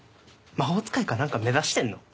魔法使いか何か目指してんの？